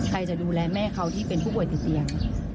ใครจะดูแลแม่เขาที่เป็นผู้ป่วยติดเตียง